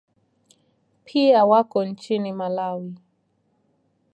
Pia wako nchini Malawi.